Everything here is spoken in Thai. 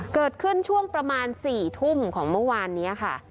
เกิดขึ้นช่วงประมาณ๔ทุ่มของเมื่อวานนี้ค่ะ